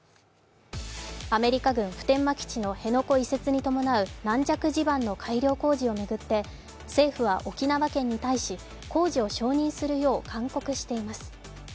アメリカ軍・普天間基地の辺野古移設に伴う軟弱地盤の改良工事を巡って政府は沖縄県に対し工事を承認するよう勧告しています。